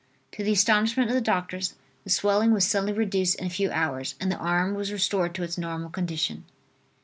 To the astonishment of the doctors the swelling was suddenly reduced in a few hours and the arm was restored to its normal condition.